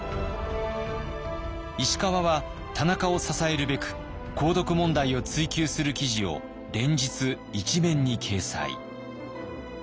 石川は田中を支えるべく鉱毒問題を追及する記事を連日１面に掲載。